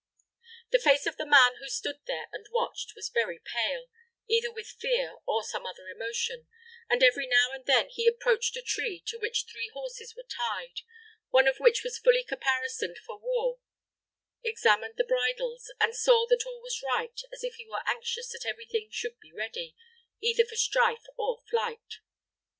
The face of the man who stood there and watched was very pale, either with fear or some other emotion, and every now and then he approached a tree to which three horses were tied one of which was fully caparisoned for war examined the bridles, and saw that all was right, as if he were anxious that every thing should be ready, either for strife or flight.